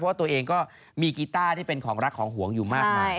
เพราะว่าตัวเองก็มีกีตาร์ที่เป็นของรักของห่วงอยู่มาก